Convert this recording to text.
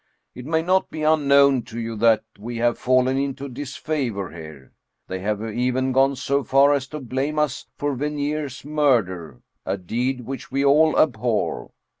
It may not be unknown to you that we have fallen into disfavor here. They have even gone so far as to blame us for Venier's murder, a deed which we all abhor